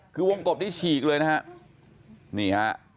คือวงกบนี้ฉีกเลยนะฮะนี่ฮะ